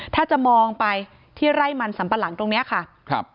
ถ้าจะมองไปที่ไร่มันสัมปะหลังตรงเนี้ยค่ะครับ